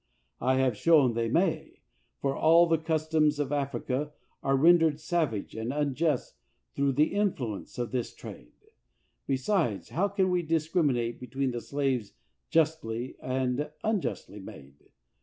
I have shown they may, for all the customs of Africa are rendered savage and unjust through the influence of this trade; besides, how can we discriminate between the slaves justly and un justly made?